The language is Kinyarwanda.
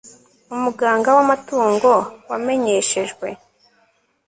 Umuganga w amatungo wamenyeshejwe